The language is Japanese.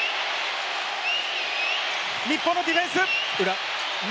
日本のディフェンス！